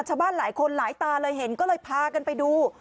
ชาวบ้านหลายคนหลายตาเลยเห็นก็เลยพากันไปดู